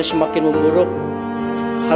kepala mama sakit ma